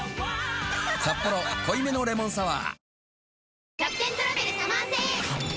「サッポロ濃いめのレモンサワー」